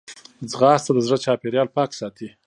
ځغاسته د زړه چاپېریال پاک ساتي